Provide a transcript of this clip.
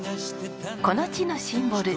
この地のシンボル